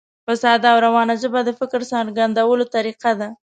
په ساده او روانه ژبه د فکر څرګندولو طریقه ده.